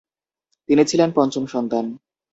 তিনি ছিলেন পঞ্চম সন্তান।